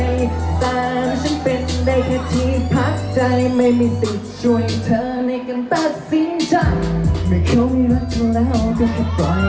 เขาไม่รักเธอแล้วก็แค่ปล่อยเขาไป